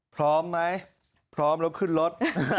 พร้อมไหมเพราะขึ้นรถ